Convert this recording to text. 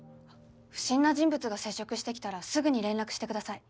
不審な人物が接触してきたらすぐに連絡してください。